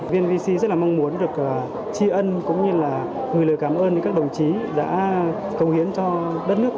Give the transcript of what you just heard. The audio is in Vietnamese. vnpc rất là mong muốn được tri ân cũng như là gửi lời cảm ơn đến các đồng chí đã công hiến cho đất nước